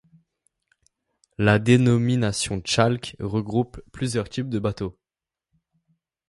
La dénomination tjalk regroupe plusieurs types de bateaux.